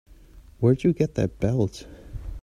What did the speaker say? Where'd you get that belt?